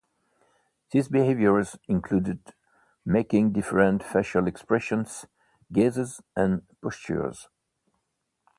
These behaviors included making different facial expressions, gazes, and postures.